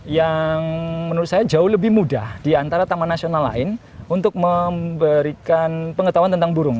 yang menurut saya jauh lebih mudah di antara taman nasional lain untuk memberikan pengetahuan tentang burung